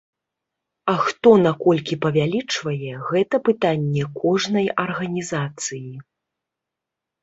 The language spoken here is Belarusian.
А хто на колькі павялічвае, гэта пытанне кожнай арганізацыі.